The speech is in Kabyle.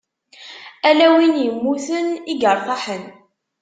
Ala win immuten i yeṛtaḥen.